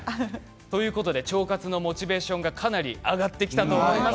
腸活のモチベーションがかなり上がってきたと思います。